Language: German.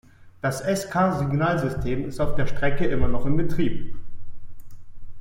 Das Sk-Signalsystem ist auf dieser Strecke immer noch in Betrieb.